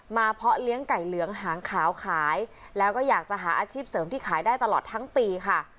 เพาะเลี้ยงไก่เหลืองหางขาวขายแล้วก็อยากจะหาอาชีพเสริมที่ขายได้ตลอดทั้งปีค่ะ